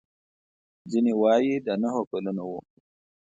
ځینې وايي د نهو کلونو و.